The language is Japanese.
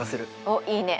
おっいいね！